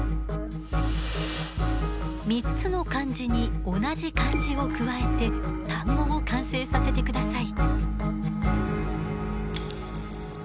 ３つの漢字に同じ漢字を加えて単語を完成させてください。